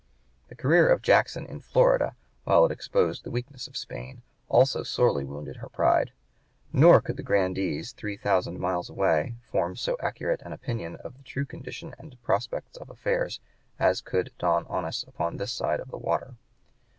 The career of Jackson in Florida, while it exposed the weakness of Spain, also sorely wounded her pride. Nor could the grandees, three thousand miles away, form so accurate an opinion of the true condition and prospects of affairs as could Don Onis upon this side of the water.